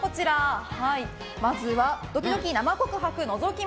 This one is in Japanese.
まずはドキドキ生告白覗き見